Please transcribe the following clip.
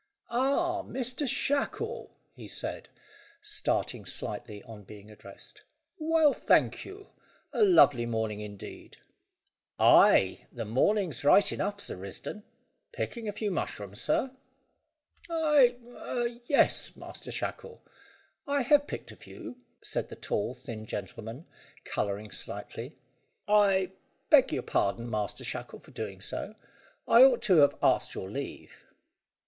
"Ah, Master Shackle," he said, starting slightly on being addressed. "Well, thank you. A lovely morning, indeed." "Ay, the morning's right enough, Sir Risdon. Picking a few mushrooms, sir?" "I er yes, Master Shackle. I have picked a few," said the tall thin gentleman, colouring slightly. "I beg your pardon, Master Shackle, for doing so. I ought to have asked your leave."